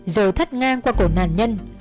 giờ thắt ngang qua cổ nàn nhân